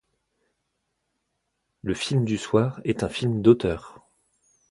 Le film du soir est un film d'auteur.